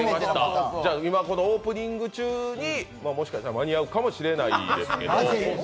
今、オープニング中にもしかしたら間に合うかもしれないですけど。